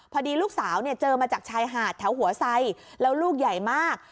พอดีลูกสาวเนี่ยเจอมาจากชายหาดแถวหัวไซแล้วลูกใหญ่มาก